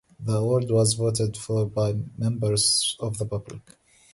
The award was voted for by members of the public.